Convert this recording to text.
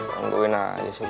bangduin aja sih gue